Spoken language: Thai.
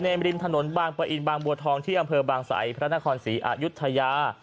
ริมถนนบางปะอินบางบัวทองที่อำเภอบางสัยพระนครศรีอายุทยา